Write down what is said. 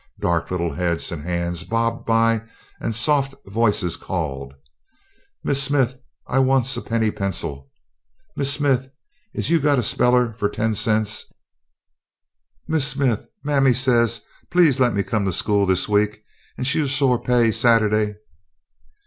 Dark little heads and hands bobbed by and soft voices called: "Miss Smith, I wants a penny pencil." "Miss Smith, is yo' got a speller fo' ten cents?" "Miss Smith, mammy say please lemme come to school this week and she'll sho' pay Sata'day."